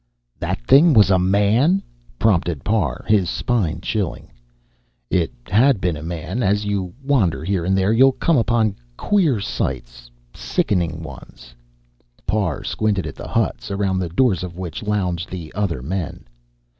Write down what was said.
"That thing was a man?" prompted Parr, his spine chilling. "It had been a man. As you wander here and there, you'll come upon queer sights sickening ones." Parr squinted at the huts, around the doors of which lounged the other men.